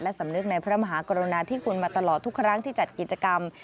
สำนึกในพระมหากรณาที่คุณมาตลอดทุกครั้งที่จัดกิจกรรม